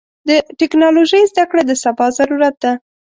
د ټکنالوژۍ زدهکړه د سبا ضرورت ده.